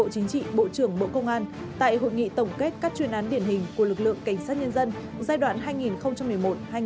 chính trị bộ trưởng bộ công an tại hội nghị tổng kết các chuyên án điển hình của lực lượng cảnh sát nhân dân